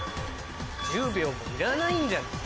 １０秒もいらないんじゃないか。